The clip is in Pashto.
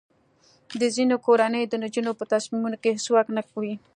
د ځینو کورنیو د نجونو په تصمیمونو کې هیڅ واک نه وي.